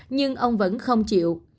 nhưng ông vẫn không chịu